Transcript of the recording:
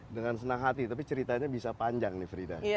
dengan senang hati tapi ceritanya bisa panjang nih frida